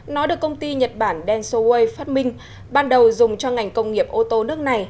nó được công ty nhật bản den soi phát minh ban đầu dùng cho ngành công nghiệp ô tô nước này